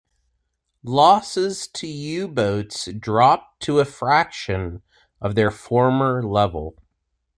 Losses to U-boats dropped to a fraction of their former level.